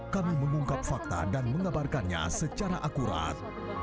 kami mengungkap fakta dan mengabarkannya secara akurat